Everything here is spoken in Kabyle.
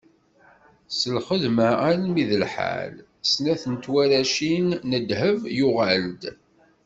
S lxedma almi d iḥal snat n twaracin n ddheb, yuɣal-d.